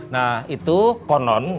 nah itu konon